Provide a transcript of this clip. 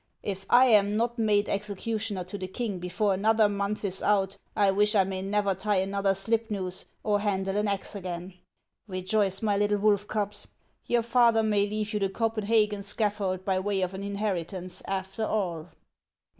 If I am not made executioner to the king before another month is out, I wish I may never tie another slip noose or handle an axe again. Rejoice, my little wolf cubs ; your father may leave you the Copenhagen scaffold by way of an inheritance, after all."